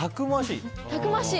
たくましい！